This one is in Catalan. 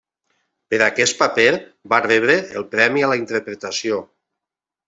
Per aquest paper, va rebre el Premi a la Interpretació.